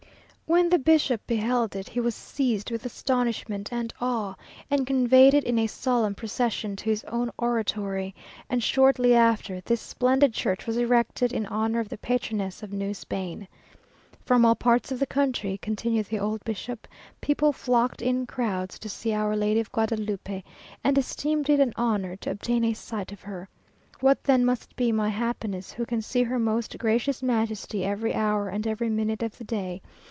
When the bishop beheld it, he was seized with astonishment and awe, and conveyed it in a solemn procession to his own oratory, and shortly after, this splendid church was erected in honour of the patroness of New Spain. "From all parts of the country," continued the old bishop, "people flocked in crowds to see Our Lady of Guadalupe, and esteemed it an honour to obtain a sight of her. What then must be my happiness, who can see her most gracious majesty every hour and every minute of the day!